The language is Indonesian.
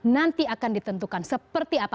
nanti akan ditentukan seperti apa